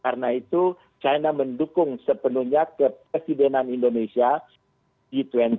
karena itu china mendukung sepenuhnya kepresidenan indonesia g dua puluh